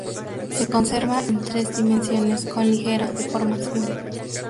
Se conserva en tres dimensiones con ligera deformación.